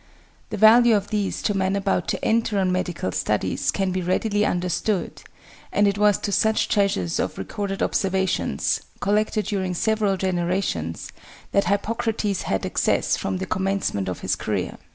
The value of these to men about to enter on medical studies can be readily understood; and it was to such treasures of recorded observations collected during several generations that Hippocrates had access from the commencement of his career.